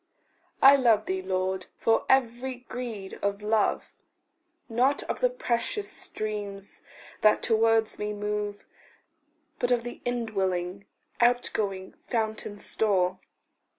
I love thee, Lord, for very greed of love Not of the precious streams that towards me move, But of the indwelling, outgoing, fountain store.